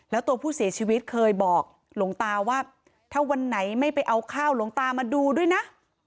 แล้วตัวผู้เสียชีวิตเคยบอกหลวงตาว่าถ้าวันไหนไม่ไปเอาข้าวหลวงตามาดูด้วยนะ